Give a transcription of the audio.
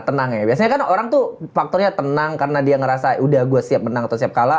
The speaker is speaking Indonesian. tenang ya biasanya kan orang tuh faktornya tenang karena dia ngerasa udah gue siap menang atau siap kalah